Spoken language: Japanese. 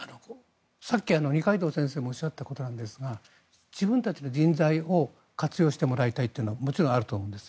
さっき、二階堂先生もおっしゃったことなんですが自分たちの人材を活用してもらいたいというのはもちろんあると思うんです。